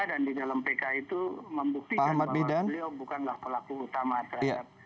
dan di dalam pk itu membuktikan bahwa beliau bukanlah pelaku utama terhadap pidana yang dituduhkan